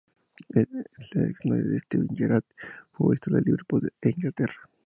Es la ex novia de Steven Gerrard, futbolista del Liverpool e Inglaterra.